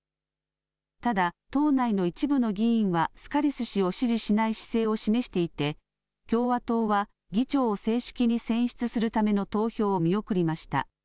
ただ党内の一部の議員はスカリス氏を支持しない姿勢を示していて共和党は議長を正式に選出するための投票を見送りました。